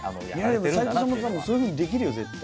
いやでも斎藤さんもたぶんそういうふうにできるよ絶対。